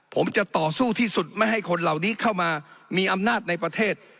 ผมจะต่อสู้ที่สุดไม่ให้คนเหล่านี้เข้ามามีอำนาจในประเทศ